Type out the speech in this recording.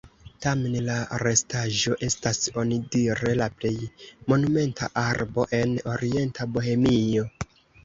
Tamen la restaĵo estas onidire la plej monumenta arbo en orienta Bohemio.